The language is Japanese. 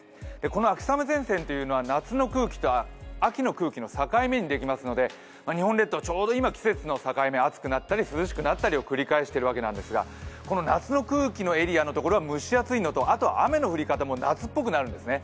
この秋雨前線というのは夏の空気と秋の空気の境目にできますので日本列島、ちょうど今、季節の境目、暑くなったり涼しくなったりを繰り返しているわけなんですが夏の空気のエリアのところは蒸し暑いのと、雨の降り方も夏っぽくなるんですよね。